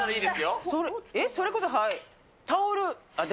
それこそ、はい。